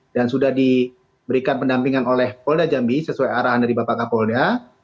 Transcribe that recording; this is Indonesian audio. dan sudah diberikan pendampingan oleh polda jambi sesuai arahan dari bapak kapolda